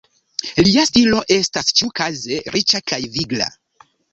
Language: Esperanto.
Lia stilo estas, ĉiukaze, riĉa kaj vigla.